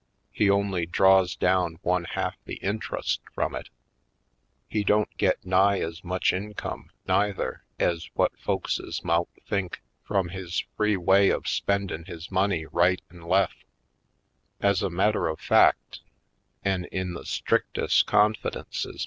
He only draws down one ha'f the intrust frum it. He don't get nigh ez much income, neither, ez whut folkses mout think frum his free way of spendin' his money right an' lef. Ez a matter of fact, an' in the strictes' con fidences.